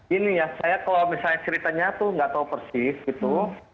ini ya saya kalau misalnya ceritanya tuh nggak tahu persis gitu